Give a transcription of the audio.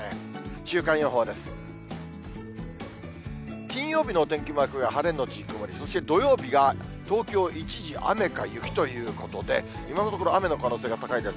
週間予報です。